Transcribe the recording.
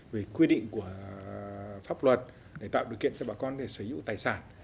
về quy định của pháp luật để tạo điều kiện cho bà con sở hữu tài sản